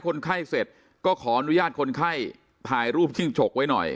คนไข้เสร็จก็ขออนุญาตคนไข้ถ่ายรูปจิ้งฉกไว้หน่อย